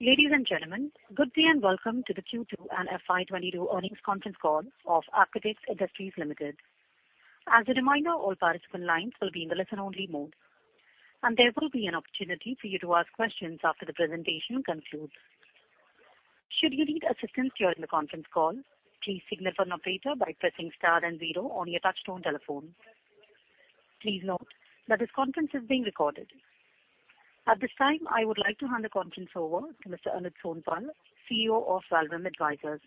Ladies and gentlemen, good day and welcome to the Q2 and FY 2022 earnings conference call of Apcotex Industries Limited. As a reminder, all participant lines will be in the listen-only mode, and there will be an opportunity for you to ask questions after the presentation concludes. Should you need assistance during the conference call, please signal for an operator by pressing star and zero on your touchtone telephone. Please note that this conference is being recorded. At this time, I would like to hand the conference over to Mr. Anuj Sonpal, CEO of Valorem Advisors.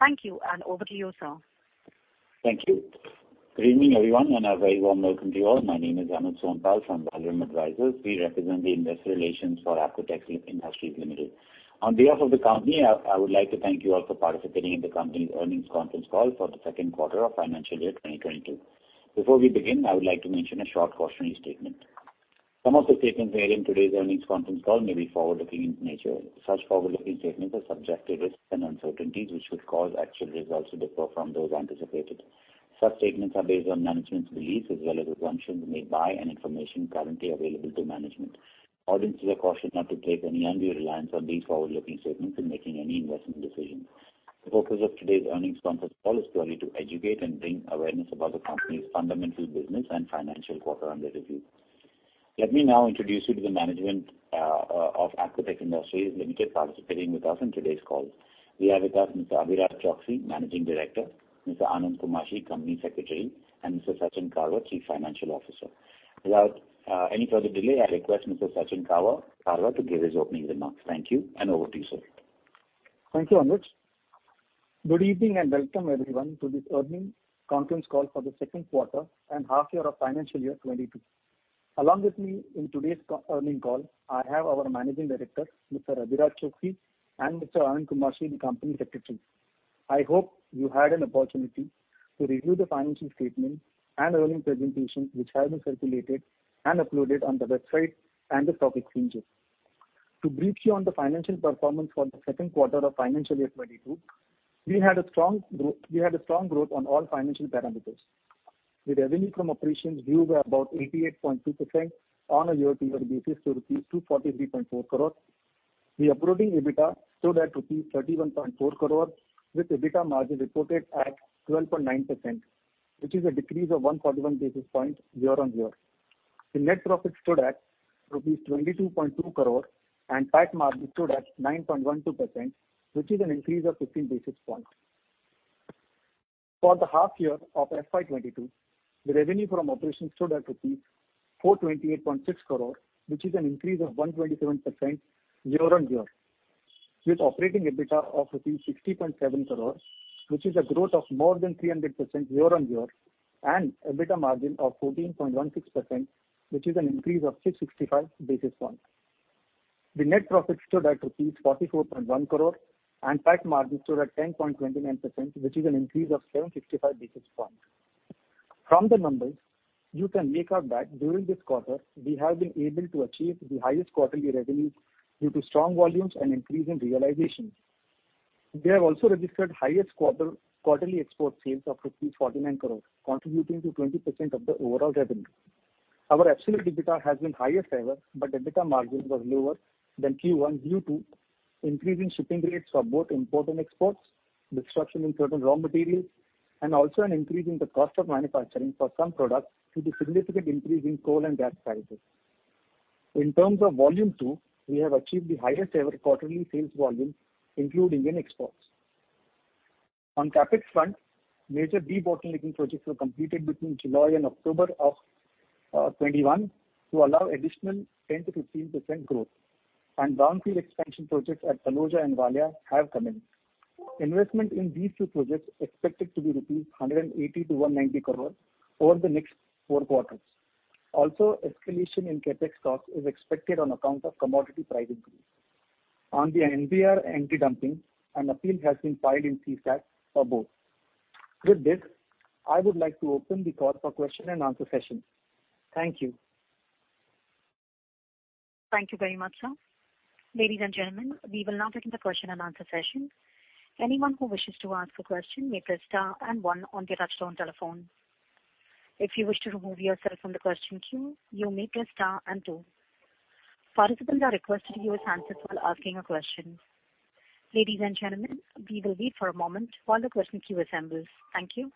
Thank you, and over to you, sir. Thank you. Good evening, everyone, and a very warm welcome to you all. My name is Anuj Sonpal from Valorem Advisors. We represent the investor relations for Apcotex Industries Limited. On behalf of the company, I would like to thank you all for participating in the company's earnings conference call for the second quarter of financial year 2022. Before we begin, I would like to mention a short cautionary statement. Some of the statements made in today's earnings conference call may be forward-looking in nature. Such forward-looking statements are subject to risks and uncertainties, which could cause actual results to differ from those anticipated. Such statements are based on management's beliefs as well as assumptions made by and information currently available to management. Audience is cautioned not to place any undue reliance on these forward-looking statements in making any investment decision. The purpose of today's earnings conference call is purely to educate and bring awareness about the company's fundamental business and financial quarter under review. Let me now introduce you to the management of Apcotex Industries Limited participating with us in today's call. We have with us Mr. Abhiraj Choksey, Managing Director, Mr. Anand Kumashi, Company Secretary, and Mr. Sachin Karwa, Chief Financial Officer. Without any further delay, I request Mr. Sachin Karwa to give his opening remarks. Thank you, and over to you, sir. Thank you, Anuj. Good evening and welcome everyone to this earnings conference call for the second quarter and half year of financial year 2022. Along with me in today's earning call, I have our Managing Director, Mr. Abhiraj Choksey and Mr. Anand Kumashi, the Company Secretary. I hope you had an opportunity to review the financial statement and earning presentation which have been circulated and uploaded on the website and the stock exchanges. To brief you on the financial performance for the second quarter of financial year 2022, we had a strong growth on all financial parameters. The revenue from operations grew by about 88.2% on a year-over-year basis to rupees 243.4 crores. The operating EBITDA stood at rupees 31.4 crores, with EBITDA margin reported at 12.9%, which is a decrease of 141 basis points year-on-year. The net profit stood at INR 22.2 crore and PAT margin stood at 9.12%, which is an increase of 15 basis points. For the half year of FY 2022, the revenue from operations stood at rupees 428.6 crore, which is an increase of 127% year-on-year. With operating EBITDA of rupees 60.7 crores, which is a growth of more than 300% year-on-year, and EBITDA margin of 14.16%, which is an increase of 665 basis points. The net profit stood at rupees 44.1 crore and PAT margin stood at 10.29%, which is an increase of 765 basis points. From the numbers, you can make out that during this quarter, we have been able to achieve the highest quarterly revenue due to strong volumes and increase in realization. We have also registered highest quarterly export sales of rupees 49 crore, contributing to 20% of the overall revenue. Our absolute EBITDA has been highest ever, but EBITDA margin was lower than Q1 due to increase in shipping rates for both import and exports, disruption in certain raw materials, and also an increase in the cost of manufacturing for some products due to significant increase in coal and gas prices. In terms of volume too, we have achieved the highest ever quarterly sales volume, including in exports. On CapEx front, major debottlenecking projects were completed between July and October of 2021 to allow additional 10%-15% growth, and brownfield expansion projects at Taloja and Valia have commenced. Investment in these two projects expected to be rupees 180-190 crore over the next four quarters. Also, escalation in CapEx cost is expected on account of commodity price increase. On the NBR anti-dumping, an appeal has been filed in CESTAT for both. With this, I would like to open the call for question and answer session. Thank you. Thank you very much, sir. Ladies and gentlemen, we will now begin the question and answer session. Anyone who wishes to ask a question may press star and one on their touchtone telephone. If you wish to remove yourself from the question queue, you may press star and two. Participants are requested to use answers while asking a question. Ladies and gentlemen, we will wait for a moment while the question queue assembles. Thank you.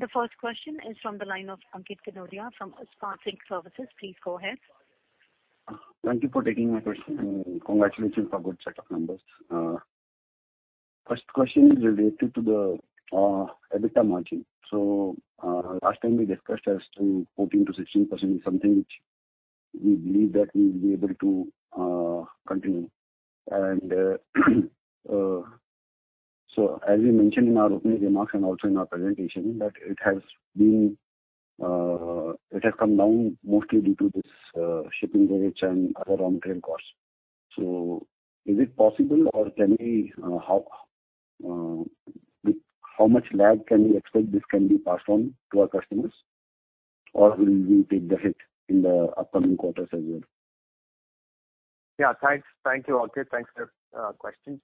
The first question is from the line of Ankit Kanodia from Smart Sync Services. Please go ahead. Thank you for taking my question and congratulations for good set of numbers. First question is related to the EBITDA margin. Last time we discussed as to 14%-16% is something which we believe that we'll be able to continue. As you mentioned in our opening remarks and also in our presentation that it has been, it has come down mostly due to this shipping rates and other raw material costs. Is it possible or can we, how, with how much lag can we expect this can be passed on to our customers? Or will we take the hit in the upcoming quarters as well? Yeah. Thanks. Thank you, Ankit. Thanks for the question.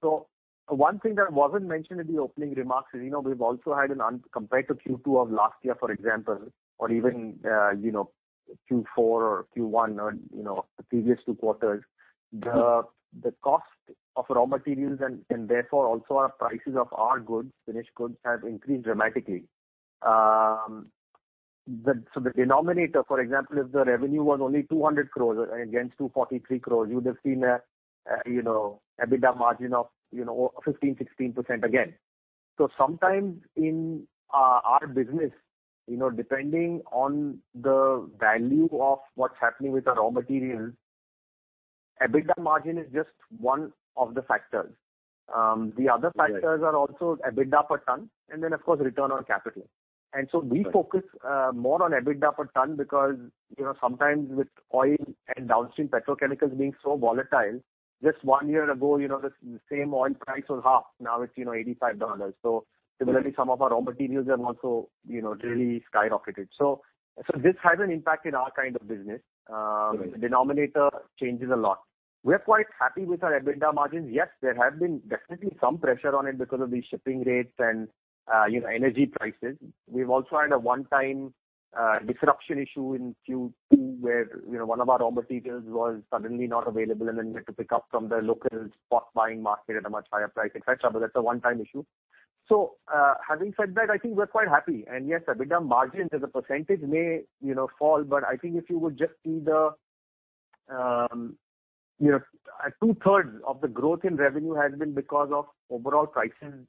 One thing that wasn't mentioned in the opening remarks is, you know, we've also had compared to Q2 of last year, for example, or even, you know, Q4 or Q1 or, you know, the previous two quarters, the cost of raw materials and therefore also our prices of our goods, finished goods, have increased dramatically. The denominator, for example, if the revenue was only 200 crores against 243 crores, you'd have seen a, you know, EBITDA margin of, you know, 15%-16% again. Sometimes in our business, you know, depending on the value of what's happening with the raw materials, EBITDA margin is just one of the factors. The other factors Right. Are also EBITDA per ton, and then of course return on capital. Right. We focus more on EBITDA per ton because, you know, sometimes with oil and downstream petrochemicals being so volatile, just one year ago, you know, the same oil price was half, now it's, you know, $85. So similarly, some of our raw materials have also, you know, really skyrocketed. So this has an impact in our kind of business. Right. The denominator changes a lot. We're quite happy with our EBITDA margins. Yes, there have been definitely some pressure on it because of the shipping rates and, you know, energy prices. We've also had a one-time disruption issue in Q2 where, you know, one of our raw materials was suddenly not available, and then we had to pick up from the local spot buying market at a much higher price, et cetera. That's a one-time issue. Having said that, I think we're quite happy. Yes, EBITDA margins as a percentage may, you know, fall, but I think if you would just see the, you know, 2/3 of the growth in revenue has been because of overall prices,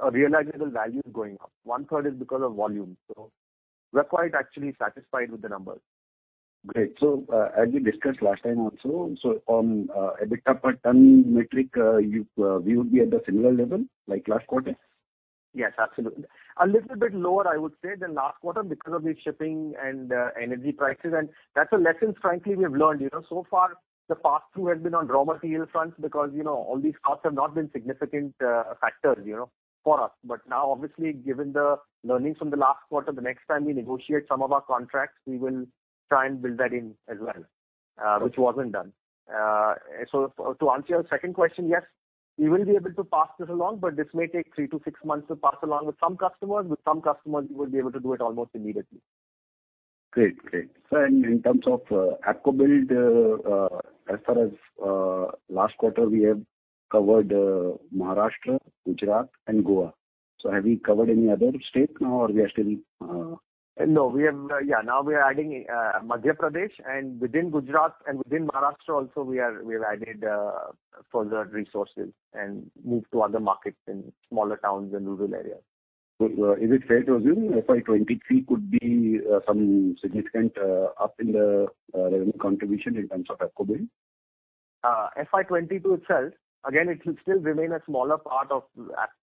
or realizable values going up. 1/3 is because of volume. We're quite actually satisfied with the numbers. Great. As we discussed last time also, so on EBITDA per ton metric, we would be at the similar level like last quarter? Yes, absolutely. A little bit lower, I would say, than last quarter because of the shipping and energy prices, and that's the lessons frankly we have learned. You know, so far the pass-through has been on raw material fronts because, you know, all these costs have not been significant factors, you know, for us. Now obviously, given the learnings from the last quarter, the next time we negotiate some of our contracts, we will try and build that in as well, which wasn't done. To answer your second question, yes, we will be able to pass this along, but this may take three-six months to pass along with some customers. With some customers we will be able to do it almost immediately. Great. In terms of ApcoBuild, as far as last quarter we have covered Maharashtra, Gujarat and Goa. Have we covered any other state now or we are still- No, we have. Now we are adding Madhya Pradesh, and within Gujarat and within Maharashtra also, we have added further resources and moved to other markets in smaller towns and rural areas. Is it fair to assume FY 2023 could be some significant up in the revenue contribution in terms of ApcoBuild? FY 2022 itself, again, it will still remain a smaller part of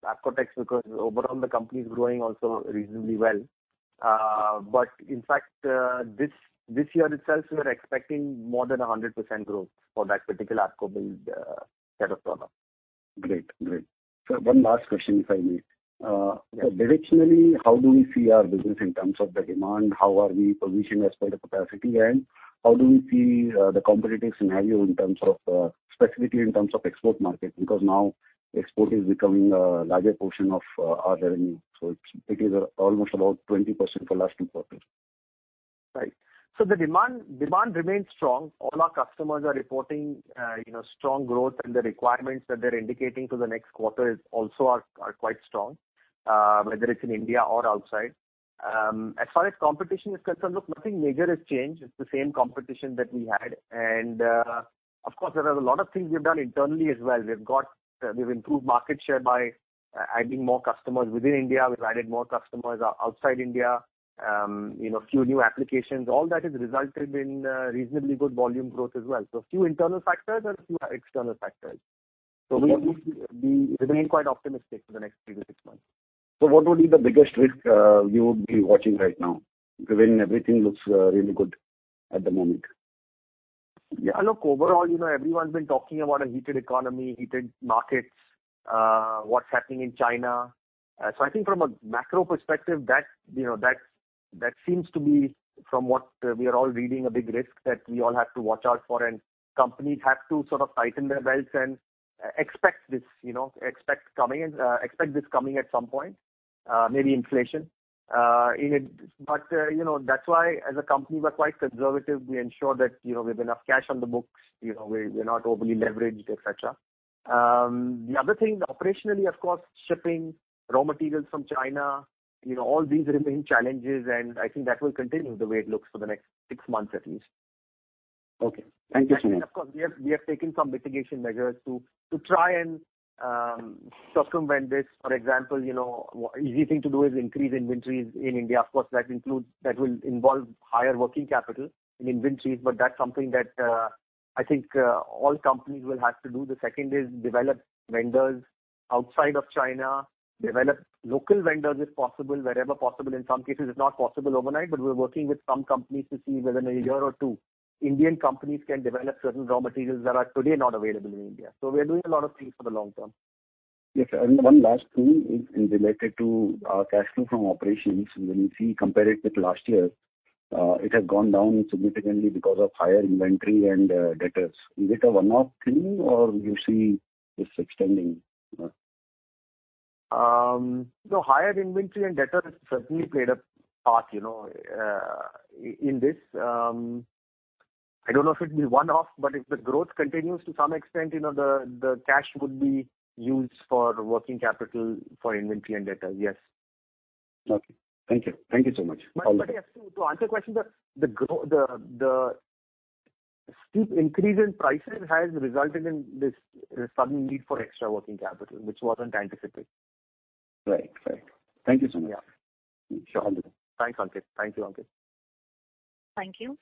Apcotex because overall the company is growing also reasonably well. In fact, this year itself, we are expecting more than 100% growth for that particular ApcoBuild set of products. Great. One last question, if I may. Yeah. Directionally, how do we see our business in terms of the demand? How are we positioning as per the capacity? How do we see the competitive scenario in terms of, specifically in terms of export market? Because now export is becoming a larger portion of our revenue. It is almost about 20% for last two quarters. Right. The demand remains strong. All our customers are reporting you know, strong growth, and the requirements that they're indicating for the next quarter are quite strong, whether it's in India or outside. As far as competition is concerned, look, nothing major has changed. It's the same competition that we had. Of course, there are a lot of things we've done internally as well. We've improved market share by adding more customers within India. We've added more customers outside India. You know, few new applications. All that has resulted in reasonably good volume growth as well. Few internal factors and few external factors. We remain quite optimistic for the next three-six months. What would be the biggest risk you would be watching right now, given everything looks really good at the moment? Yeah, look, overall, you know, everyone's been talking about a heated economy, heated markets, what's happening in China. So I think from a macro perspective, that seems to be, from what we are all reading, a big risk that we all have to watch out for. Companies have to sort of tighten their belts and expect this coming at some point, maybe inflation. But, you know, that's why as a company, we're quite conservative. We ensure that, you know, we have enough cash on the books, you know, we're not overly leveraged, et cetera. The other thing, operationally, of course, shipping raw materials from China, you know, all these remain challenges, and I think that will continue the way it looks for the next six months at least. Okay. Thank you so much. Of course, we have taken some mitigation measures to try and circumvent this. For example, you know, easy thing to do is increase inventories in India. Of course, that will involve higher working capital in inventories, but that's something that I think all companies will have to do. The second is develop vendors outside of China, develop local vendors if possible, wherever possible. In some cases, it's not possible overnight, but we're working with some companies to see whether in a year or two Indian companies can develop certain raw materials that are today not available in India. We are doing a lot of things for the long term. Yes. One last thing is related to our cash flow from operations. When we compare it with last year, it has gone down significantly because of higher inventory and debtors. Is it a one-off thing or you see this extending? The higher inventory and debtors certainly played a part, you know, in this. I don't know if it will be one-off, but if the growth continues to some extent, you know, the cash would be used for working capital for inventory and debtors, yes. Okay. Thank you. Thank you so much. Yes, to answer your question, the steep increase in prices has resulted in this sudden need for extra working capital, which wasn't anticipated. Right. Thank you so much. Yeah. Sure. Thank you, Ankit. Thank you.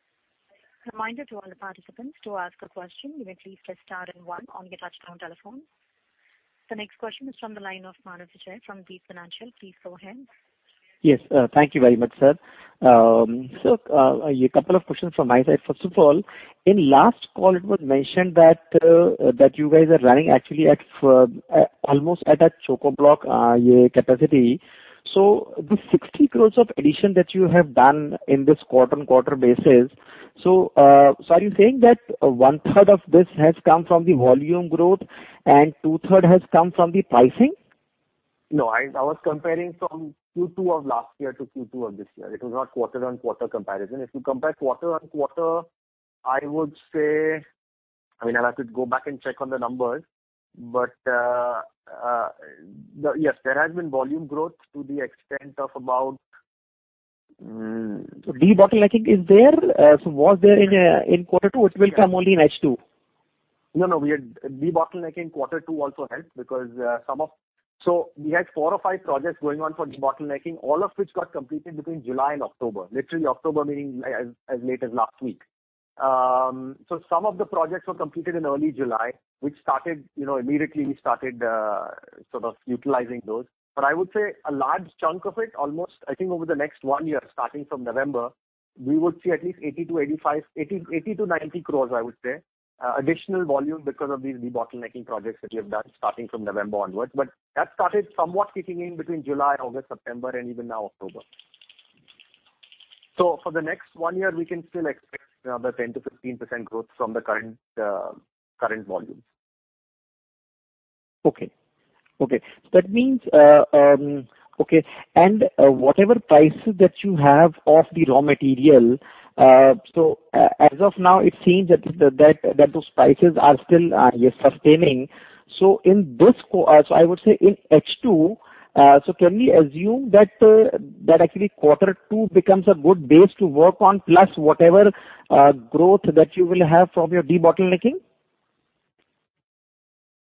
Reminder to all the participants, to ask a question you may please press star then one on your touchtone telephone. The next question is from the line of Manav Vijay from Deep Financials. Please go ahead. Yes. Thank you very much, sir. A couple of questions from my side. First of all, in last call it was mentioned that you guys are running actually at almost chokablock capacity. The 60 crore of addition that you have done in this quarter-on-quarter basis, are you saying that 1/3 of this has come from the volume growth and 2/3 has come from the pricing? No. I was comparing from Q2 of last year to Q2 of this year. It was not quarter-on-quarter comparison. If you compare quarter-on-quarter, I would say, I mean, I'll have to go back and check on the numbers. Yes, there has been volume growth to the extent of about. Debottlenecking is there. It was there in quarter two, it will come only in H2. No, no. Debottlenecking quarter two also helped because we had four or five projects going on for debottlenecking, all of which got completed between July and October. Literally October meaning as late as last week. Some of the projects were completed in early July, which started, you know, immediately we started sort of utilizing those. I would say a large chunk of it, almost, I think over the next one year, starting from November, we would see at least 80-90 crores additional volume because of these debottlenecking projects that we have done starting from November onwards. That started somewhat kicking in between July, August, September, and even now October. For the next one year we can still expect, you know, the 10%-15% growth from the current volume. That means whatever prices that you have of the raw material, as of now, it seems that those prices are still sustaining. I would say in H2, can we assume that actually quarter two becomes a good base to work on, plus whatever growth that you will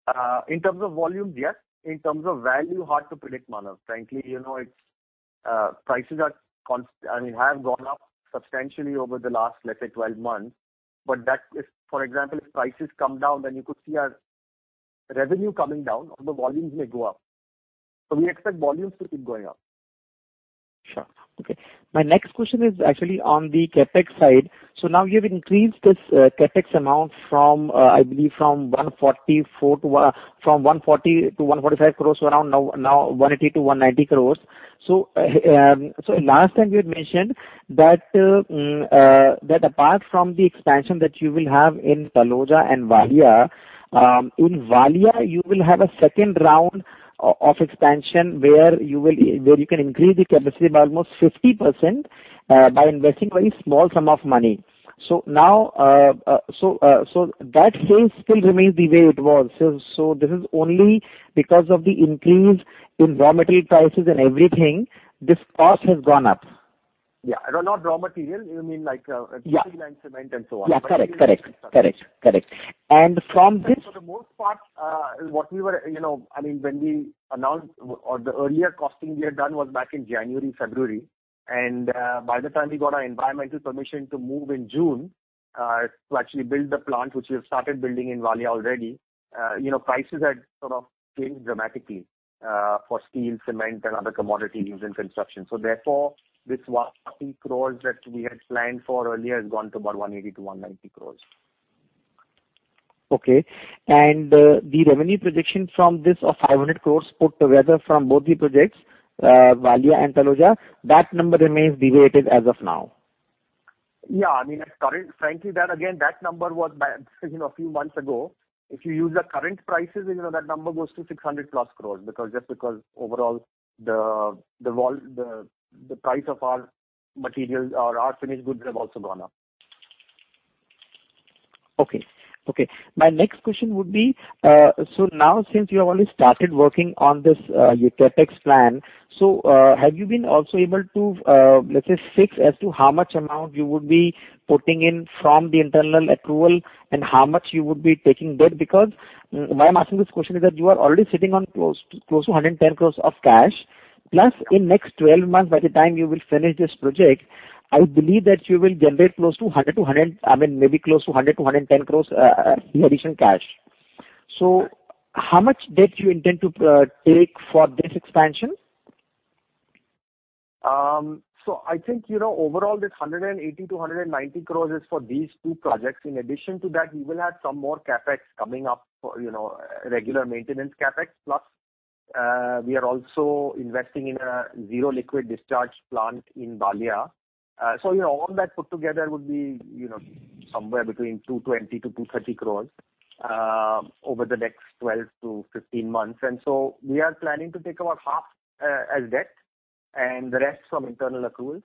have from your debottlenecking? In terms of volume, yes. In terms of value, hard to predict, Manav. Frankly, you know, it's prices have gone up substantially over the last, let's say, 12 months. That is, for example, if prices come down, then you could see our revenue coming down or the volumes may go up. We expect volumes to keep going up. Sure. Okay. My next question is actually on the CapEx side. Now you've increased this CapEx amount from, I believe, 140- 145 crores to around INR 180- 190 crores. Last time you had mentioned that apart from the expansion that you will have in Taloja and Valia, in Valia, you will have a second round of expansion where you can increase the capacity by almost 50%, by investing very small sum of money. Now that sales still remains the way it was. This is only because of the increase in raw material prices and everything. This cost has gone up. Yeah. No, not raw material. You mean like, steel. Yeah cement and so on. Yeah. Correct. From this. For the most part, what we were, you know, I mean, when we announced or the earlier costing we had done was back in January, February, and, by the time we got our environmental permission to move in June, to actually build the plant, which we have started building in Valia already, you know, prices had sort of changed dramatically, for steel, cement and other commodities used in construction. This 180 crore that we had planned for earlier has gone to about 180-190 crore. Okay. The revenue projection from this of 500 crore put together from both the projects, Valia and Taloja, that number remains deviated as of now? Yeah. I mean, at current, frankly, that again, that number was you know, a few months ago. If you use the current prices, you know, that number goes to 600+ crores because overall the price of our materials or our finished goods have also gone up. My next question would be, so now since you have only started working on this, your CapEx plan, have you been also able to, let's say fix as to how much amount you would be putting in from the internal accrual and how much you would be taking debt? Because why I'm asking this question is that you are already sitting on close to 110 crore of cash plus in next 12 months by the time you will finish this project, I believe that you will generate close to 100-110, I mean maybe close to 100- 110 crores, in addition cash. How much debt you intend to take for this expansion? I think, you know, overall this 180-190 crore is for these two projects. In addition to that, we will have some more CapEx coming up for, you know, regular maintenance CapEx, plus, we are also investing in a zero liquid discharge plant in Valia. You know, all that put together would be, you know, somewhere between 220-230 crore, over the next 12-15 months. We are planning to take about half, as debt and the rest from internal accruals.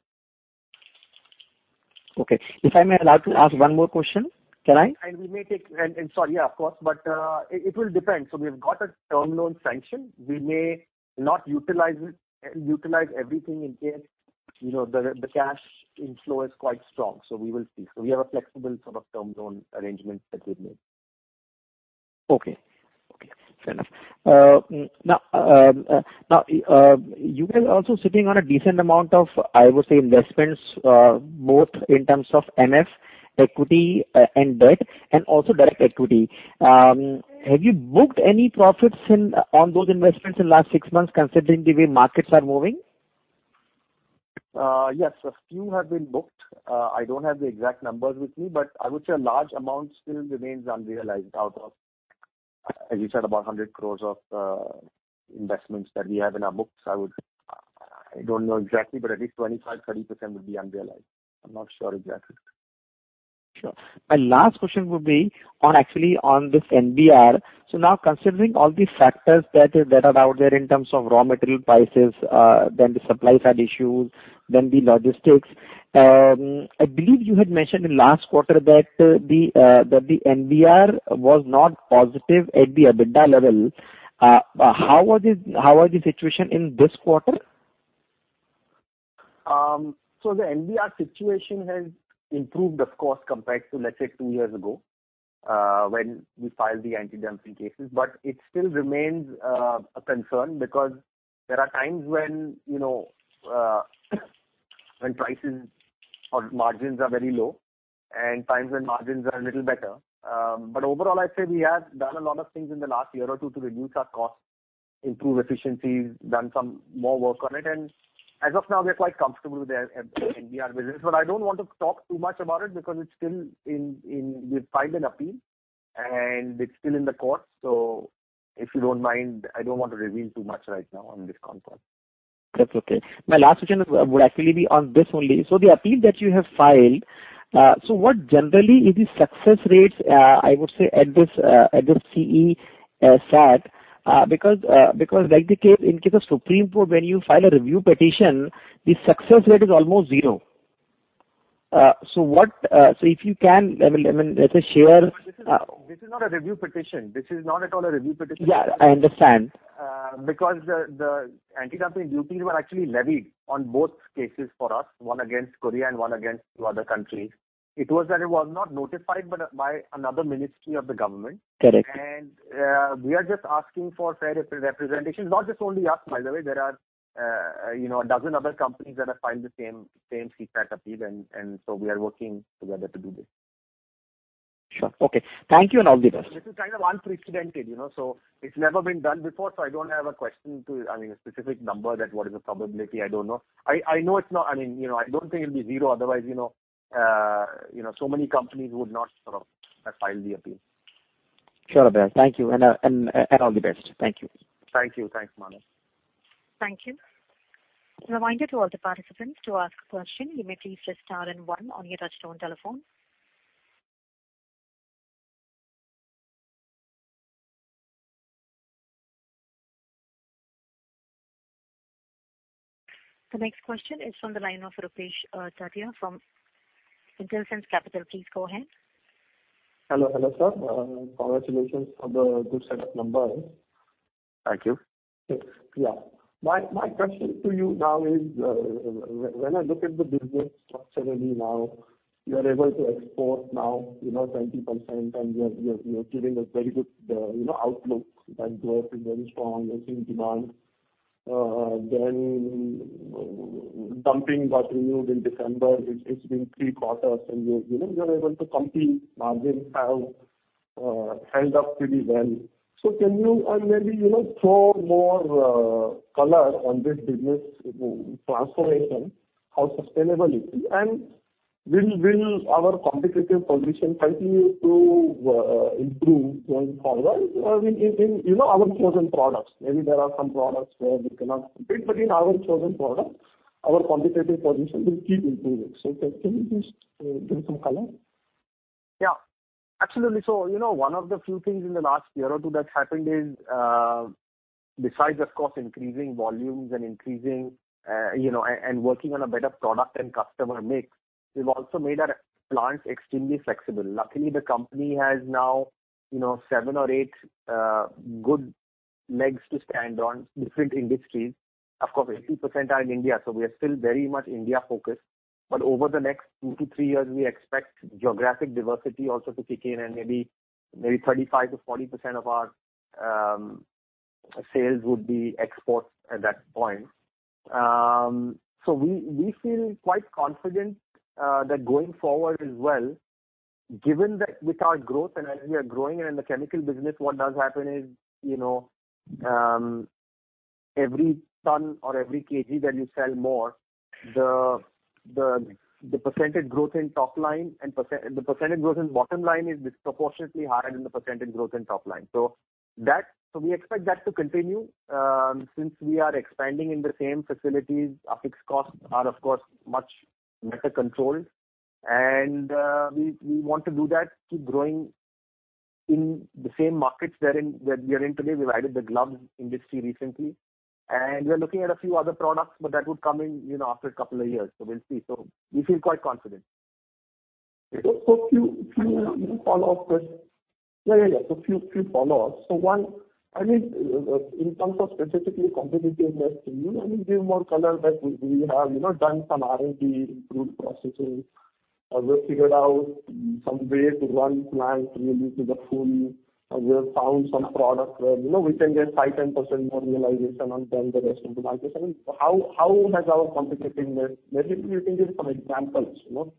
Okay. If I may be allowed to ask one more question, can I? Sorry, yeah, of course. It will depend. We've got a term loan sanction. We may not utilize everything in case, you know, the cash inflow is quite strong. We will see. We have a flexible sort of term loan arrangement that we've made. Okay. Okay, fair enough. Now, you guys are also sitting on a decent amount of, I would say, investments, both in terms of MF equity, and debt and also direct equity. Have you booked any profits in on those investments in last six months considering the way markets are moving? Yes, a few have been booked. I don't have the exact numbers with me, but I would say a large amount still remains unrealized out of, as you said, about 100 crores of investments that we have in our books. I don't know exactly, but at least 25%-30% would be unrealized. I'm not sure exactly. Sure. My last question would be on actually on this NBR. Now considering all the factors that are out there in terms of raw material prices, then the supply side issues, then the logistics, I believe you had mentioned in last quarter that the NBR was not positive at the EBITDA level. How was the situation in this quarter? The NBR situation has improved of course compared to, let's say, two years ago, when we filed the anti-dumping cases. It still remains a concern because there are times when, you know, when prices or margins are very low and times when margins are a little better. Overall, I'd say we have done a lot of things in the last year or two to reduce our costs, improve efficiencies, done some more work on it, and as of now we are quite comfortable with the NBR business. I don't want to talk too much about it because it's still in. We've filed an appeal and it's still in the courts. If you don't mind, I don't want to reveal too much right now on this front. That's okay. My last question is, would actually be on this only. The appeal that you have filed, so what generally is the success rates, I would say at this, at this CESTAT? Because, because like the case, in case of Supreme Court, when you file a review petition, the success rate is almost zero. So what, so if you can, I mean, let's say share, This is not a review petition. This is not at all a review petition. Yeah, I understand. Because the anti-dumping duties were actually levied on both cases for us, one against Korea and one against two other countries. It was not notified by another ministry of the government. Correct. We are just asking for fair representation. Not just only us, by the way. There are, you know, a dozen other companies that have filed the same CESTAT appeal and so we are working together to do this. Sure. Okay. Thank you and all the best. This is kind of unprecedented, you know. It's never been done before, so I don't have a question to, I mean, a specific number that what is the probability. I don't know. I know it's not, I mean, you know, I don't think it'll be zero, otherwise, you know, so many companies would not sort of have filed the appeal. Sure. Thank you. All the best. Thank you. Thank you. Thanks, Manav Vijay. Thank you. A reminder to all the participants, to ask a question, you may please press star and one on your touch-tone telephone. The next question is from the line of Rupesh Tatia from Intelsense Capital. Please go ahead. Hello. Hello, sir. Congratulations on the good set of numbers. Thank you. Yeah. My question to you now is, when I look at the business structurally now, you are able to export now, you know, 20% and you're giving a very good, you know, outlook. Bank growth is very strong, you're seeing demand. Then dumping got renewed in December. It's been three quarters and you know, you're able to compete. Margins have held up pretty well. So can you maybe, you know, throw more color on this business transformation, how sustainable it is? And will our competitive position continue to improve going forward? In you know, our chosen products. Maybe there are some products where we cannot compete, but in our chosen products, our competitive position will keep improving. So can you please give some color? Yeah, absolutely. You know, one of the few things in the last year or two that's happened is, besides of course increasing volumes and working on a better product and customer mix, we've also made our plants extremely flexible. Luckily, the company has now, you know, seven or eight good legs to stand on different industries. Of course, 80% are in India, so we are still very much India-focused. Over the next two to three years, we expect geographic diversity also to kick in, and maybe 35%-40% of our sales would be exports at that point. We feel quite confident that going forward as well, given that with our growth and as we are growing and in the chemical business, what does happen is, you know, every ton or every kg that you sell more, the percentage growth in top line and the percentage growth in bottom line is disproportionately higher than the percentage growth in top line. We expect that to continue. Since we are expanding in the same facilities, our fixed costs are, of course, much better controlled. We want to do that, keep growing in the same markets that we are in today. We've added the glove industry recently, and we are looking at a few other products, but that would come in, you know, after a couple of years. We'll see. We feel quite confident. Okay. Few follow-ups. One, I mean, in terms of specifically competitiveness, can you, I mean, give more color that we have, you know, done some R&D, improved processes, or we've figured out some way to run plant really to the full, or we have found some product where, you know, we can get 5%-10% more realization and sell the rest into market. I mean, how has our competitiveness? Maybe if you can give some examples, you know?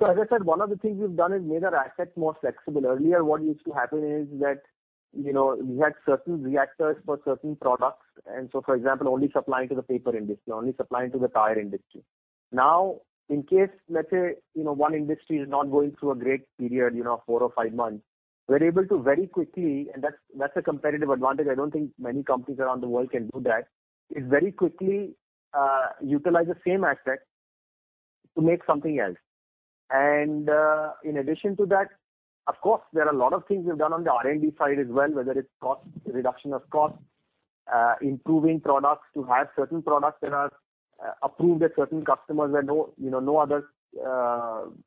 As I said, one of the things we've done is made our assets more flexible. Earlier, what used to happen is that, you know, we had certain reactors for certain products and so, for example, only supplying to the paper industry, only supplying to the tire industry. Now in case, let's say, you know, one industry is not going through a great period, you know, four or five months, we're able to very quickly utilize the same asset to make something else. That's a competitive advantage. I don't think many companies around the world can do that. In addition to that, of course, there are a lot of things we've done on the R&D side as well, whether it's cost reduction, improving products to have certain products that are approved at certain customers where no other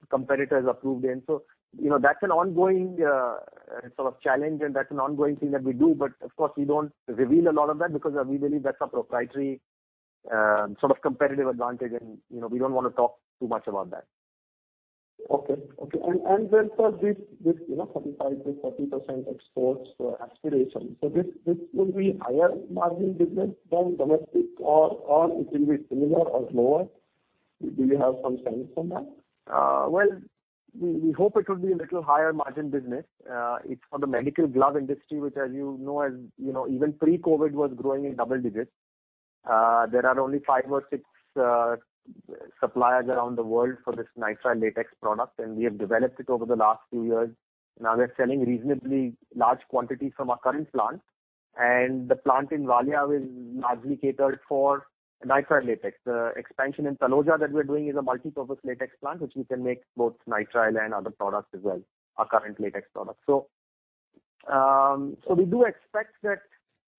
competitor is approved in. You know, that's an ongoing sort of challenge and that's an ongoing thing that we do. Of course, we don't reveal a lot of that because we believe that's a proprietary sort of competitive advantage and, you know, we don't wanna talk too much about that. Okay. Then for this, you know, 35%-40% exports aspiration. This will be higher margin business than domestic or it will be similar or lower? Do you have some sense on that? Well, we hope it would be a little higher margin business. It's for the medical glove industry, which as you know, even pre-COVID was growing in double digits. There are only five or six suppliers around the world for this nitrile latex product, and we have developed it over the last few years. Now we're selling reasonably large quantities from our current plant, and the plant in Valia is largely catered for nitrile latex. The expansion in Taloja that we're doing is a multipurpose latex plant, which we can make both nitrile and other products as well, our current latex products. We do expect that,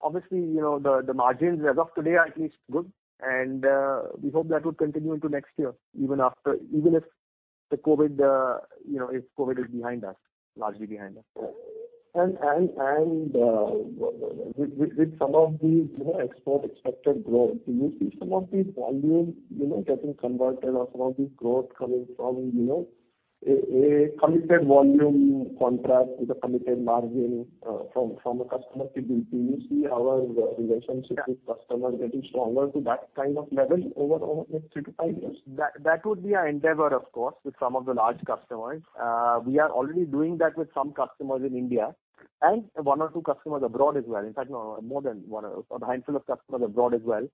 obviously, you know, the margins as of today are at least good, and we hope that will continue into next year, even if the COVID, you know, if COVID is behind us, largely behind us. With some of the, you know, export expected growth, do you see some of these volume, you know, getting converted or some of the growth coming from, you know, a committed volume contract with a committed margin, from a customer perspective? Do you see our relationship with customers getting stronger to that kind of level over the next three to five years? That would be our endeavor, of course, with some of the large customers. We are already doing that with some customers in India and one or two customers abroad as well. In fact, more than one or a handful of customers abroad as well.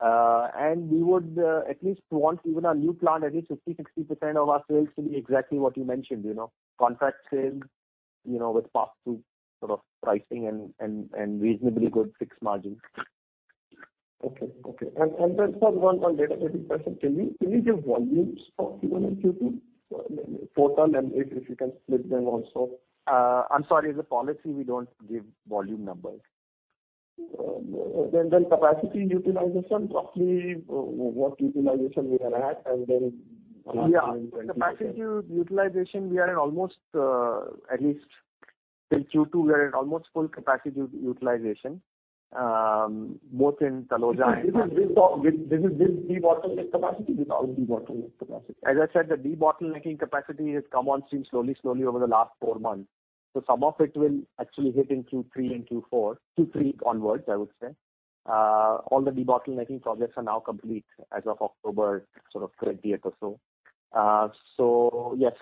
We would at least want even our new plant, at least 50%-60% of our sales to be exactly what you mentioned. You know, contract sales, you know, with pass through sort of pricing and reasonably good fixed margins. Okay. Sir, one data-driven question. Can you give volumes for Q1 and Q2 per ton, and if you can split them also? I'm sorry. As a policy, we don't give volume numbers. Capacity utilization, roughly what utilization we are at? Yeah. The capacity utilization, at least till Q2, we are at almost full capacity utilization both in Taloja and This is debottlenecked capacity? Without debottlenecked capacity. As I said, the debottlenecking capacity has come on stream slowly over the last four months. Some of it will actually hit in Q3 and Q4. Q3 onwards, I would say. All the debottlenecking projects are now complete as of October, sort of 20th or so. Yes,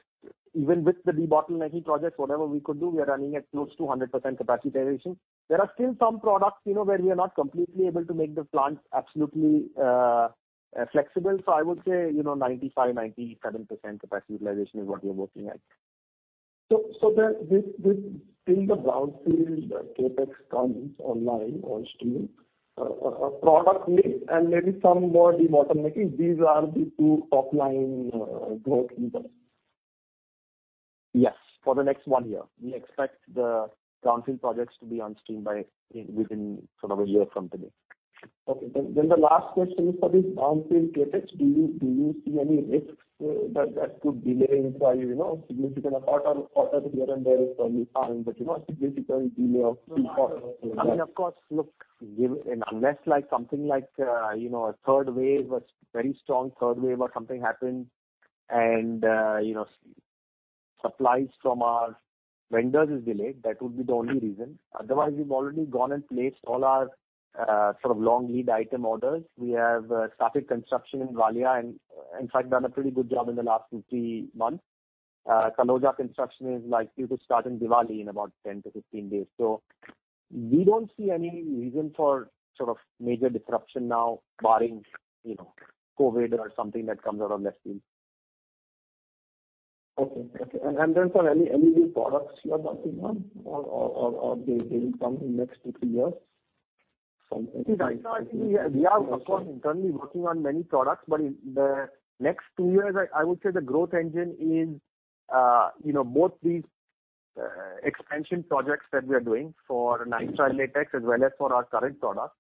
even with the debottlenecking projects, whatever we could do, we are running at close to 100% capacity utilization. There are still some products, you know, where we are not completely able to make the plant absolutely flexible. I would say, you know, 95%-97% capacity utilization is what we are working at. This, till the brownfield CapEx comes online or something, product mix and maybe some more debottlenecking. These are the two top-line growth enablers. Yes, for the next one year. We expect the brownfield projects to be on stream by, within sort of a year from today. Okay. The last question is for this brownfield CapEx, do you see any risks that could delay it by, you know, significant? Apart from here and there is only time, but, you know, a significant delay of three-four- I mean, of course, look, given and unless like something like, you know, a third wave or very strong third wave or something happens and, you know, supplies from our vendors is delayed. That would be the only reason. Otherwise, we've already gone and placed all our sort of long lead item orders. We have started construction in Valia and in fact done a pretty good job in the last two-three months. Taloja construction is likely to start in Diwali in about 10-15 days. We don't see any reason for sort of major disruption now barring, you know, COVID or something that comes out of left field. Okay. For any new products you are working on or they will come in next two, three years from- Right now I think we are of course internally working on many products, but in the next two years, I would say the growth engine is you know both these expansion projects that we are doing for nitrile latex as well as for our current products.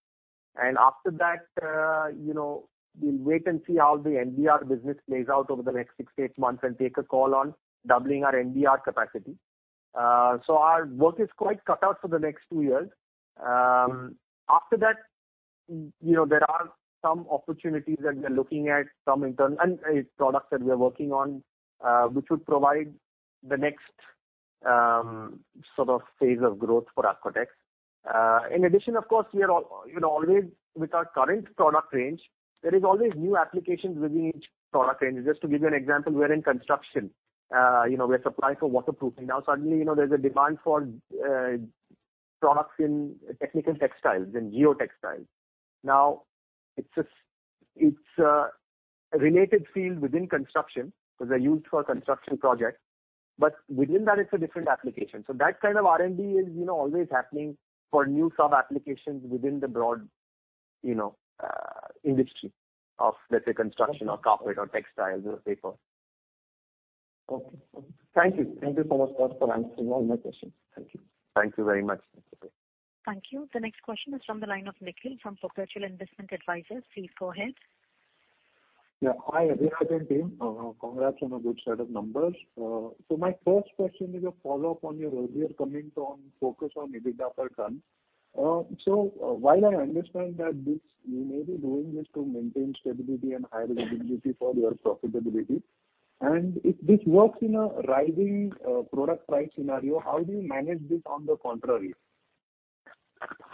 After that you know we'll wait and see how the NBR business plays out over the next six-eight months and take a call on doubling our NBR capacity. So our work is quite cut out for the next two years. After that you know there are some opportunities that we are looking at some internal and products that we are working on which would provide the next sort of phase of growth for Apcotex. In addition, of course, we are all, you know, always with our current product range, there is always new applications within each product range. Just to give you an example, we're in construction, you know, we're supplying for waterproofing. Now, suddenly, you know, there's a demand for products in technical textiles and geotextiles. Now, it's just, it's a related field within construction because they're used for construction projects, but within that, it's a different application. That kind of R&D is, you know, always happening for new sub applications within the broad, you know, industry of, let's say, construction or carpet or textiles or paper. Okay. Thank you. Thank you so much for answering all my questions. Thank you. Thank you very much. Thank you. The next question is from the line of Nikhil from Perpetual Investment Advisors. Please go ahead. Hi, Abhiraj and team. Congrats on a good set of numbers. My first question is a follow-up on your earlier comments on focus on EBITDA per ton. While I understand that you may be doing this to maintain stability and high visibility for your profitability, and if this works in a rising product price scenario, how do you manage this on the contrary?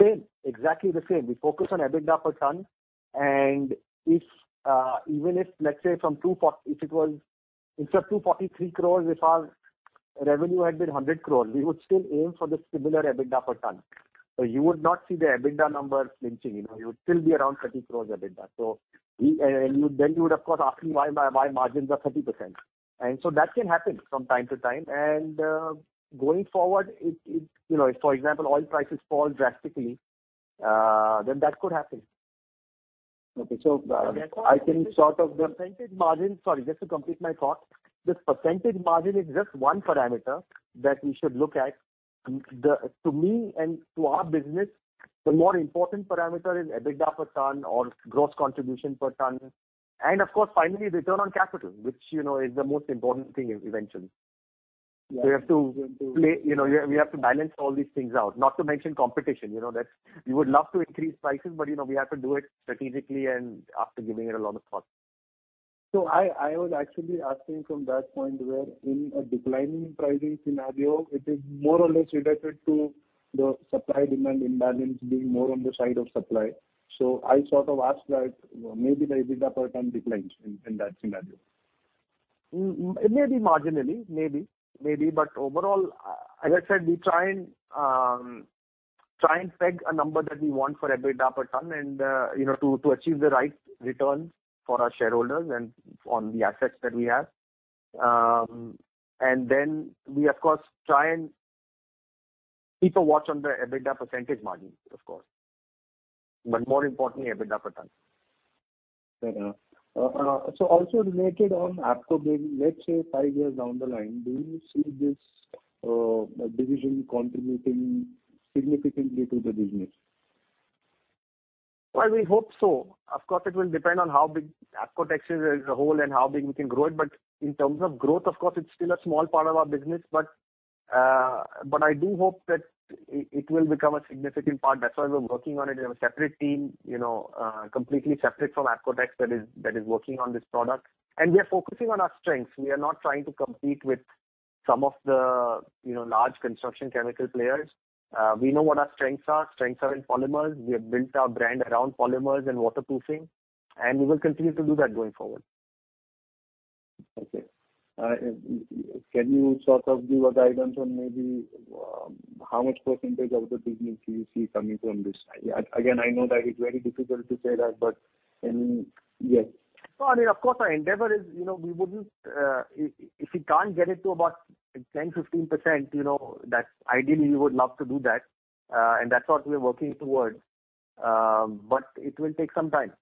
Same. Exactly the same. We focus on EBITDA per ton, and if even if, let's say, if it was instead of 243 crores, if our revenue had been 100 crores, we would still aim for the similar EBITDA per ton. You would not see the EBITDA numbers flinching. You know, you would still be around 30 crores EBITDA. You would of course ask me why my margins are 30%. That can happen from time to time. Going forward, it you know, if for example, oil prices fall drastically, then that could happen. Okay. I think sort of Percentage margin. Sorry, just to complete my thought. This percentage margin is just one parameter that we should look at. To me and to our business, the more important parameter is EBITDA per ton or gross contribution per ton. Of course, finally, return on capital, which you know, is the most important thing eventually. Yeah. We have to play, you know, we have to balance all these things out. Not to mention competition, you know, that we would love to increase prices, but you know, we have to do it strategically and after giving it a lot of thought. I was actually asking from that point where in a declining pricing scenario, it is more or less related to the supply-demand imbalance being more on the side of supply. I sort of asked that maybe the EBITDA per ton declines in that scenario. It may be marginally. Maybe. Overall, as I said, we try and peg a number that we want for EBITDA per ton and, you know, to achieve the right returns for our shareholders and on the assets that we have. We of course try and keep a watch on the EBITDA percentage margin, of course, but more importantly EBITDA per ton. Fair enough. Also related on ApcoBuild, let's say five years down the line, do you see this division contributing significantly to the business? Well, we hope so. Of course, it will depend on how big ApcoBuild is as a whole and how big we can grow it. In terms of growth, of course, it's still a small part of our business. I do hope that it will become a significant part. That's why we're working on it. We have a separate team, you know, completely separate from Apcotex that is working on this product, and we are focusing on our strengths. We are not trying to compete with some of the, you know, large construction chemical players. We know what our strengths are. Strengths are in polymers. We have built our brand around polymers and waterproofing, and we will continue to do that going forward. Okay. Can you sort of give a guidance on maybe, how much percentage of the business do you see coming from this? Again, I know that it's very difficult to say that, but any, yes. No, I mean, of course our endeavor is, you know, we wouldn't if we can't get it to about 10%-15%, you know, that ideally we would love to do that. That's what we're working towards. It will take some time.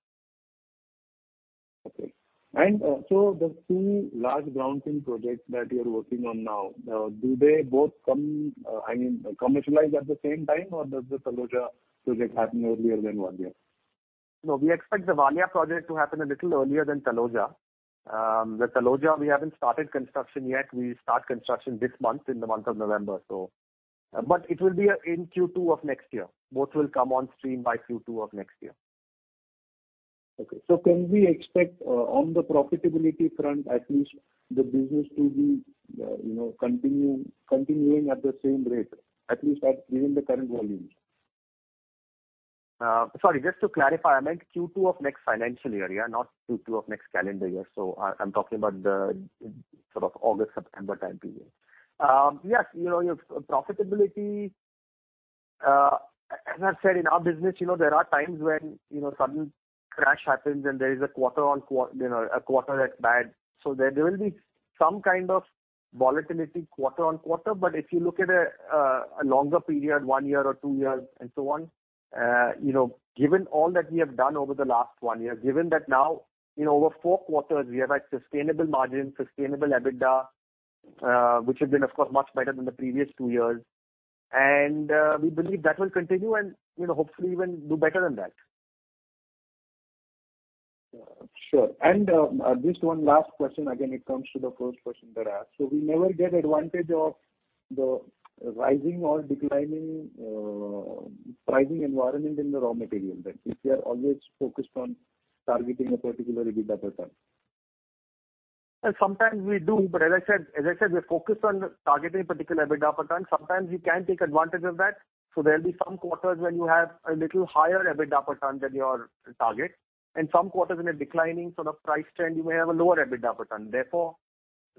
Okay. The two large downstream projects that you're working on now, do they both come, I mean, commercialize at the same time, or does the Taloja project happen earlier than Valia? No, we expect the Valia project to happen a little earlier than Taloja. The Taloja, we haven't started construction yet. We start construction this month in the month of November. It will be in Q2 of next year. Both will come on stream by Q2 of next year. Okay. Can we expect, on the profitability front, at least the business to be, you know, continuing at the same rate, at least at, given the current volumes? Sorry, just to clarify, I meant Q2 of next financial year, yeah, not Q2 of next calendar year. So I'm talking about the sort of August, September time period. Yes, you know, your profitability, as I've said in our business, you know, there are times when, you know, sudden crash happens, and there is a quarter-on-quarter, you know, a quarter that's bad. So there will be some kind of volatility quarter-on-quarter. But if you look at a longer period, one year or two years and so on, you know, given all that we have done over the last one year, given that now, you know, over four quarters we have had sustainable margins, sustainable EBITDA, which have been of course much better than the previous two years. We believe that will continue and, you know, hopefully even do better than that. Sure. Just one last question. Again, it comes to the first question that I asked. We never get advantage of the rising or declining pricing environment in the raw material then, if we are always focused on targeting a particular EBITDA per ton? Well, sometimes we do, but as I said, we're focused on targeting a particular EBITDA per ton. Sometimes we can take advantage of that, so there'll be some quarters when you have a little higher EBITDA per ton than your target. Some quarters in a declining sort of price trend, you may have a lower EBITDA per ton. Therefore,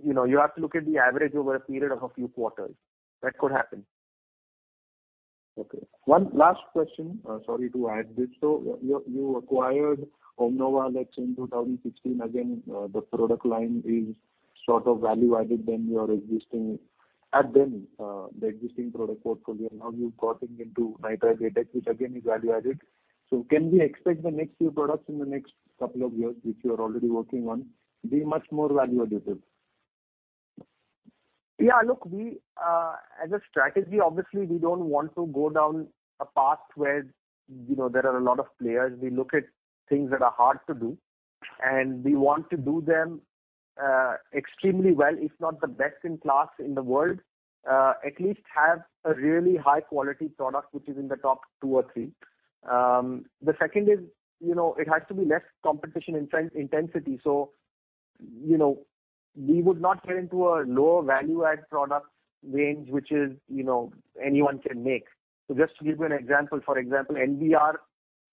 you know, you have to look at the average over a period of a few quarters. That could happen. Okay. One last question, sorry to add this. You acquired OMNOVA Latex in 2016. Again, the product line is sort of value-added than your existing at that time, the existing product portfolio. Now you're getting into nitrile latex, which again is value-added. Can we expect the next few products in the next couple of years, which you're already working on, to be much more value-added? Look, we as a strategy, obviously we don't want to go down a path where, you know, there are a lot of players. We look at things that are hard to do, and we want to do them extremely well, if not the best in class in the world. At least have a really high quality product which is in the top two or three. The second is, you know, it has to be less competition intensity. You know, we would not get into a lower value-add product range, which is, you know, anyone can make. Just to give you an example, for example, NBR,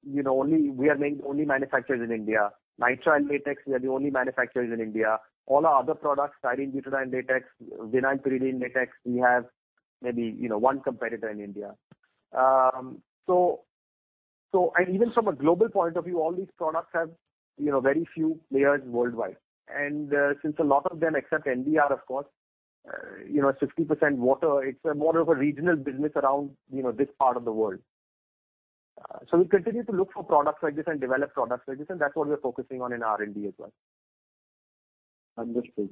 you know, only we are the only manufacturers in India. Nitrile latex, we are the only manufacturers in India. All our other products, Styrene-butadiene latex, Vinyl pyridine latex, we have maybe, you know, one competitor in India. Even from a global point of view, all these products have, you know, very few players worldwide. Since a lot of them, except NBR, of course, you know, it's 50% water, it's more of a regional business around, you know, this part of the world. We continue to look for products like this and develop products like this, and that's what we're focusing on in R&D as well. Understood.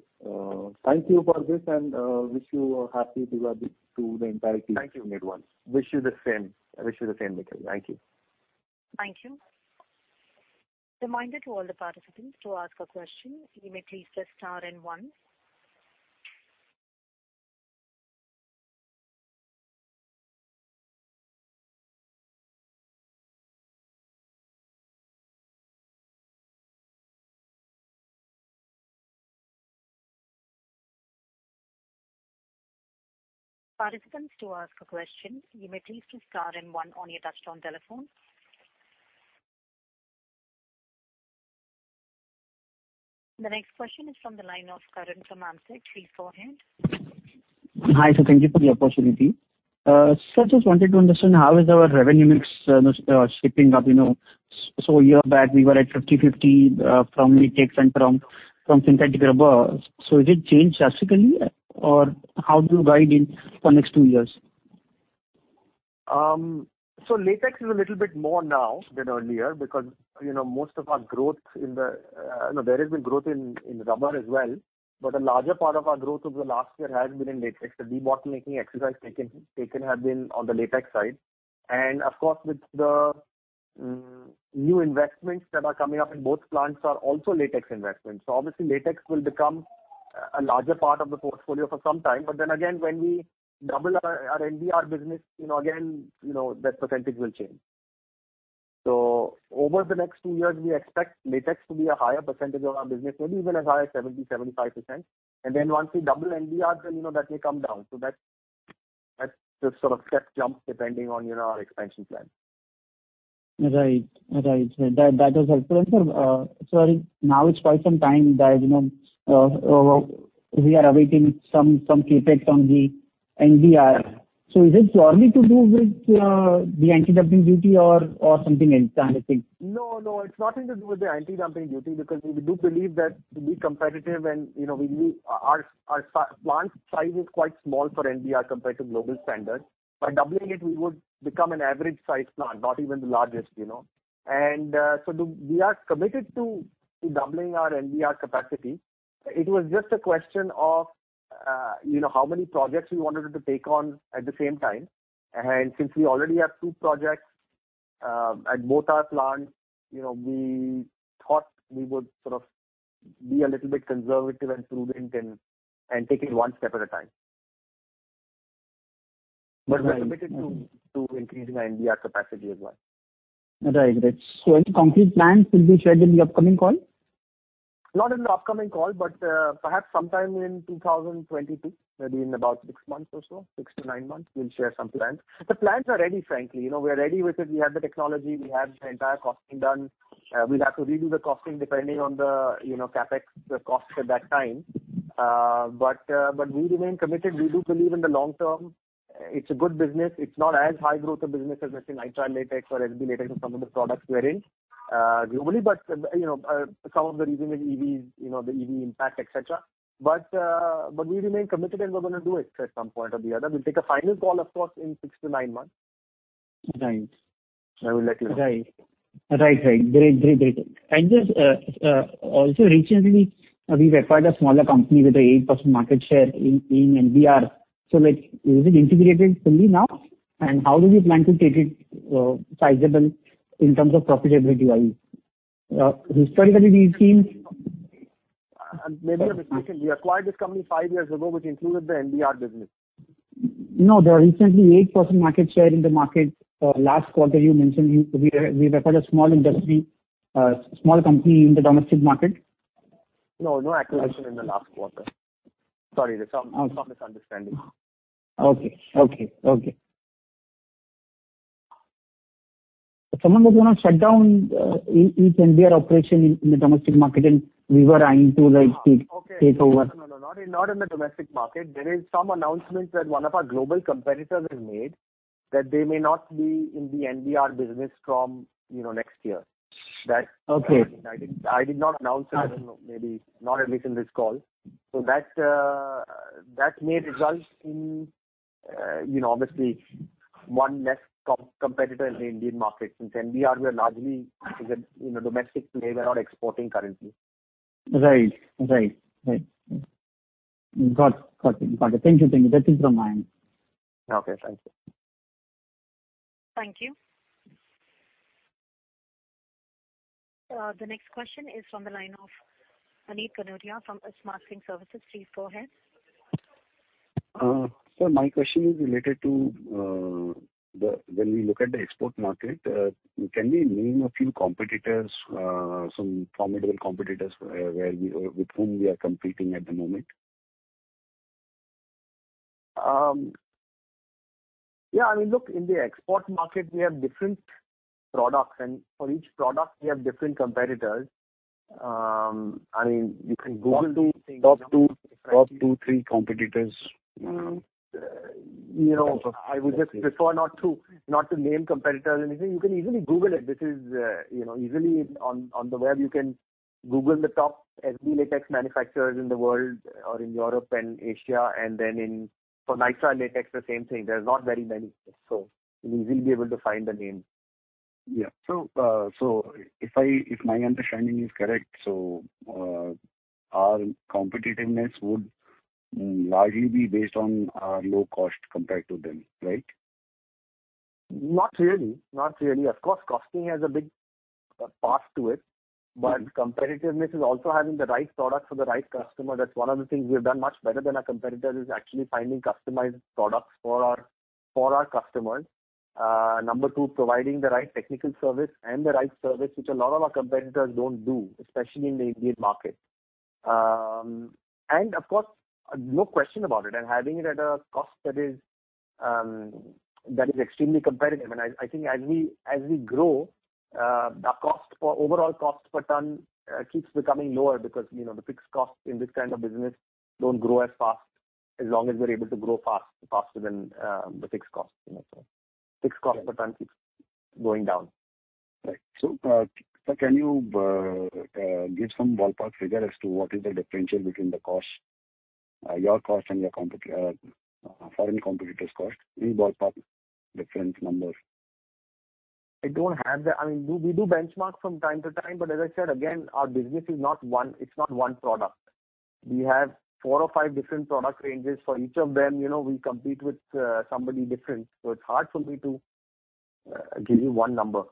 Thank you for this, and wish you a happy Diwali to the entire team. Thank you. Wish you the same, Nikhil. Thank you. Thank you. Reminder to all the participants to ask a question, you may please press star and one. Participants to ask a question, you may please press star and one on your touchtone telephone. The next question is from the line of Karan from Ambit. Please go ahead. Hi, sir. Thank you for the opportunity. Sir, just wanted to understand how is our revenue mix shaping up, you know. A year back we were at 50/50 from latex and from synthetic rubber. Is it changed drastically or how do you guide in for next two years? Latex is a little bit more now than earlier because, you know, most of our growth, there has been growth in rubber as well, but a larger part of our growth over the last year has been in latex. The debottlenecking exercise taken have been on the latex side. Of course, with the new investments that are coming up in both plants are also latex investments. Obviously latex will become a larger part of the portfolio for some time. Then again, when we double our NBR business, you know, again, you know, that percentage will change. Over the next two years, we expect latex to be a higher percentage of our business, maybe even as high as 70%-75%. Then once we double NBR, you know, that may come down. That's the sort of step jump depending on, you know, our expansion plan. Right. That was helpful. Sir, sorry, now it's quite some time that, you know, we are awaiting some CapEx on the NBR. Is it solely to do with the anti-dumping duty or something else, sir? I think. No, no, it's nothing to do with the anti-dumping duty because we do believe that to be competitive and, you know, our plant size is quite small for NBR compared to global standards. By doubling it, we would become an average size plant, not even the largest, you know. We are committed to doubling our NBR capacity. It was just a question of, you know, how many projects we wanted to take on at the same time. Since we already have two projects at both our plants, you know, we thought we would sort of be a little bit conservative and prudent and take it one step at a time. We're committed to increasing our NBR capacity as well. Right. Any concrete plans will be shared in the upcoming call? Not in the upcoming call, but perhaps sometime in 2022, maybe in about six months or so, six-nine months, we'll share some plans. The plans are ready, frankly. You know, we are ready with it. We have the technology, we have the entire costing done. We'll have to redo the costing depending on the, you know, CapEx, the costs at that time. We remain committed. We do believe in the long term. It's a good business. It's not as high growth a business as, let's say, Nitrile latex or SB latex or some of the products we are in, globally. You know, some of the reason is EV, you know, the EV impact, et cetera. We remain committed, and we're gonna do it at some point or the other. We'll take a final call, of course, in six-nine months. Right. I will let you know. Right. Great. Just also recently we've acquired a smaller company with an 8% market share in NBR. So, like, is it integrated fully now? How do you plan to take it sizable in terms of profitability-wise? Historically we've seen- Maybe I'm mistaken. We acquired this company five years ago, which included the NBR business. No, the recent 8% market share in the market last quarter, you mentioned we acquired a small industry, small company in the domestic market. No, no acquisition in the last quarter. Sorry, there's some misunderstanding. Okay. Someone was gonna shut down NBR operation in the domestic market, and we were eyeing to, like, take over. Okay. No. Not in the domestic market. There is some announcement that one of our global competitors has made that they may not be in the NBR business from, you know, next year. Okay. I did not announce it. I don't know, maybe not at least in this call. That may result in, you know, obviously one less competitor in the Indian market. Since NBR, we are largely a domestic player. We're not exporting currently. Right. Got it. Thank you. That's it from my end. Okay. Thanks. Thank you. The next question is from the line of Ankit Kanodia from Smart Sync Services. Please go ahead. My question is related to when we look at the export market. Can you name a few competitors, some formidable competitors with whom we are competing at the moment? Yeah, I mean, look, in the export market we have different products, and for each product we have different competitors. I mean, you can Google- Top two, three competitors, you know. You know, I would just prefer not to name competitors or anything. You can easily Google it. This is, you know, easily on the web. You can Google the top SB latex manufacturers in the world or in Europe and Asia, and then for Nitrile latex, the same thing. There's not very many. So you will be able to find the names. Yeah. If my understanding is correct, so our competitiveness would largely be based on our low cost compared to them, right? Not really. Of course, costing has a big part to it, but competitiveness is also having the right product for the right customer. That's one of the things we've done much better than our competitor, is actually finding customized products for our customers. Number two, providing the right technical service and the right service, which a lot of our competitors don't do, especially in the Indian market. Of course, no question about it, and having it at a cost that is extremely competitive. I think as we grow, our overall cost per ton keeps becoming lower because, you know, the fixed costs in this kind of business don't grow as fast, as long as we're able to grow faster than the fixed costs, you know. Fixed cost per ton keeps going down. Sir, can you give some ballpark figure as to what is the differential between the costs, your cost and your competitor, foreign competitor's cost? Any ballpark difference numbers? I mean, we do benchmark from time to time, but as I said, again, our business is not one. It's not one product. We have four or five different product ranges. For each of them, you know, we compete with somebody different. So it's hard for me to give you one number.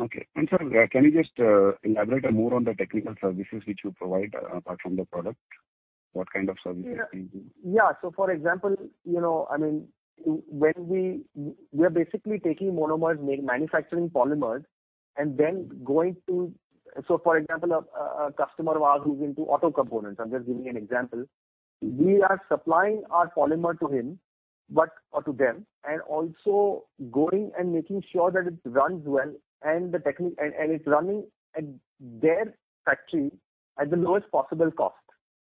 Okay. Sir, can you just elaborate more on the technical services which you provide apart from the product? What kind of services do you do? Yeah. For example, you know, I mean, when we are basically taking monomers, manufacturing polymers, and then going to. For example, a customer of ours who's into auto components, I'm just giving an example. We are supplying our polymer to him, or to them, and also going and making sure that it runs well and it's running at their factory at the lowest possible cost.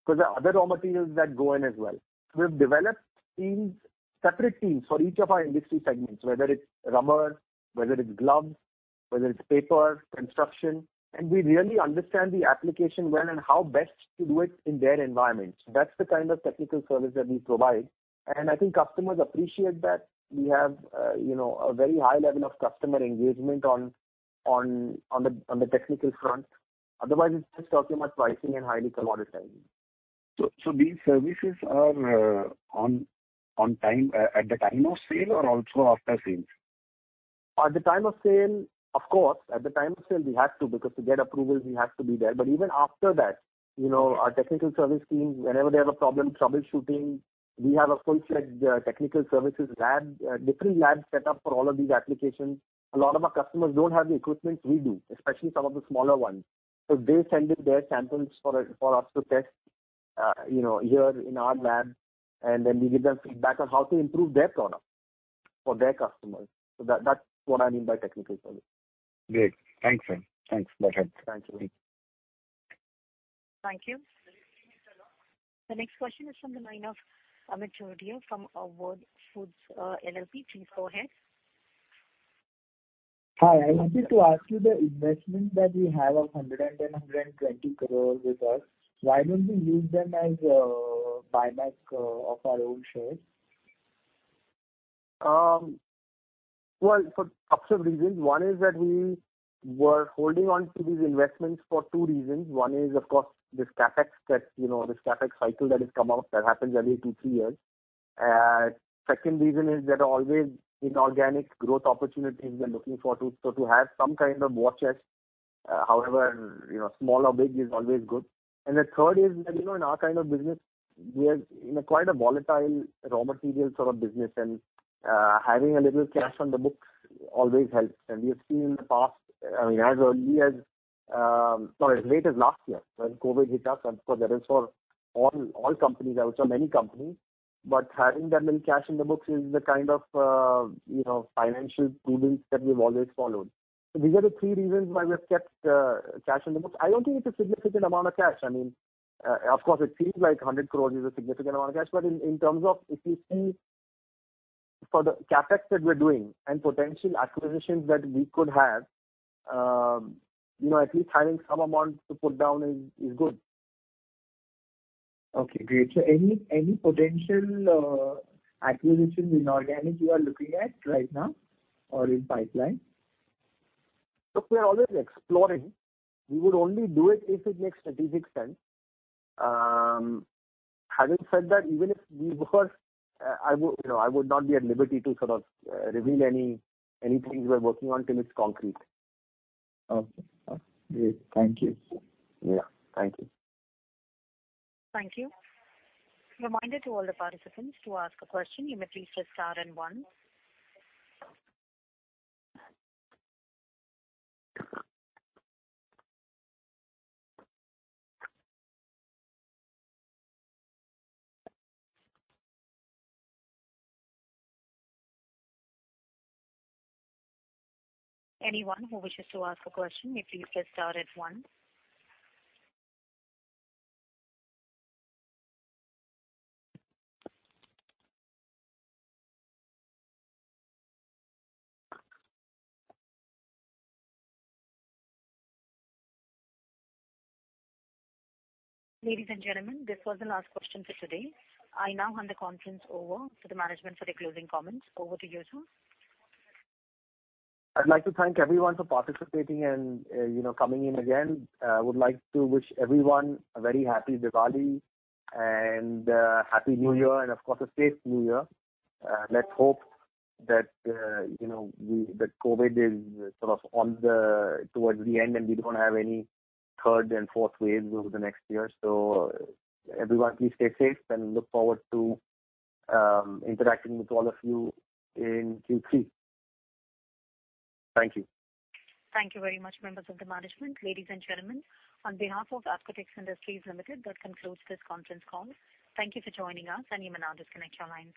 Because there are other raw materials that go in as well. We've developed teams, separate teams for each of our industry segments, whether it's rubber, whether it's gloves, whether it's paper, construction. We really understand the application well and how best to do it in their environment. That's the kind of technical service that we provide. I think customers appreciate that. We have, you know, a very high level of customer engagement on the technical front. Otherwise, it's just talking about pricing and highly commoditizing. These services are on time at the time of sale or also after sales? At the time of sale, of course, at the time of sale we have to, because to get approvals we have to be there. Even after that, you know, our technical service teams, whenever they have a problem troubleshooting, we have a full-fledged technical services lab, different labs set up for all of these applications. A lot of our customers don't have the equipment we do, especially some of the smaller ones. They're sending their samples for us to test, you know, here in our lab, and then we give them feedback on how to improve their product for their customers. That's what I mean by technical service. Great. Thanks, sir. Thanks. Bye. Thanks. Thank you. The next question is from the line of Amit Choudhary from Avod Foods LLP. Please go ahead. Hi. I wanted to ask you the investment that we have of 110-120 crore with us. Why don't we use them as buyback of our own shares? Well, for absolute reasons. One is that we were holding on to these investments for two reasons. One is, of course, this CapEx that, you know, this CapEx cycle that has come out that happens every two, three years. Second reason is there are always inorganic growth opportunities we are looking for, so to have some kind of war chest, however, you know, small or big is always good. The third is that, you know, in our kind of business, we are in quite a volatile raw material sort of business. Having a little cash on the books always helps. We have seen in the past, I mean, as early as or as late as last year when COVID hit us, and of course that is for all companies, I would say many companies. Having that little cash in the books is the kind of, you know, financial prudence that we've always followed. These are the three reasons why we have kept cash in the books. I don't think it's a significant amount of cash. I mean, of course it seems like 100 crore is a significant amount of cash, but in terms of if you see for the CapEx that we're doing and potential acquisitions that we could have, at least having some amount to put down is good. Okay, great. Any potential acquisitions inorganic you are looking at right now or in pipeline? Look, we are always exploring. We would only do it if it makes strategic sense. Having said that, even if we were, I would, you know, not be at liberty to sort of reveal anything we're working on till it's concrete. Okay. Great. Thank you. Yeah. Thank you. Thank you. Reminder to all the participants, to ask a question you may please press star and one. Anyone who wishes to ask a question, you please press star and one. Ladies and gentlemen, this was the last question for today. I now hand the conference over to the management for their closing comments. Over to you, sir. I'd like to thank everyone for participating and, you know, coming in again. I would like to wish everyone a very happy Diwali and, happy New Year and of course, a safe New Year. Let's hope that, you know, that COVID is sort of on its way towards the end, and we don't have any third and fourth waves over the next year. Everyone please stay safe and look forward to interacting with all of you in Q3. Thank you. Thank you very much, members of the management. Ladies and gentlemen, on behalf of Apcotex Industries Limited, that concludes this conference call. Thank you for joining us and you may now disconnect your lines.